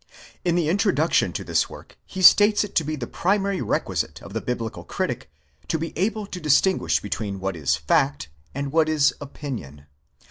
In the introduction to this work he states it to be the primary requisite of the biblical critic to be able to distinguish be tween what is fact, and what is opinion.